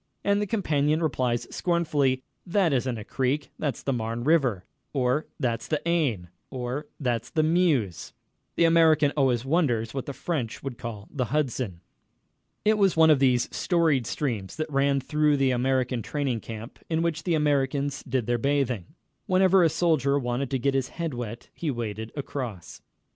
And the companion replies scornfully: "That isn't a creek that's the Marne River," or "That's the Aisne," or "That's the Meuse." The American always wonders what the French would call the Hudson. It was one of these storied streams that ran through the American training camp, in which the Americans did their bathing. Whenever a soldier wanted to get his head wet he waded across.